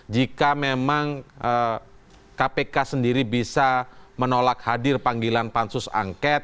jika memang kpk sendiri bisa menolak hadir panggilan pansus angket